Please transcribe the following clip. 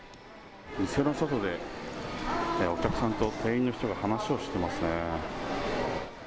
店の外でお客さんと店員の人が話をしてますね。